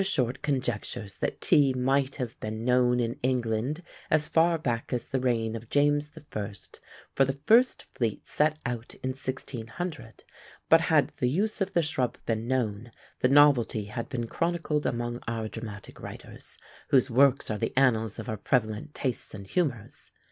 Short conjectures that tea might have been known in England as far back as the reign of James the First, for the first fleet set out in 1600; but had the use of the shrub been known, the novelty had been chronicled among our dramatic writers, whose works are the annals of our prevalent tastes and humours.